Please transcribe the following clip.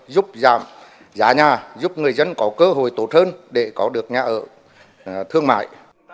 giúp giảm giá nhà giúp người dân có cơ hội tốt hơn để có được nhà ở thương mại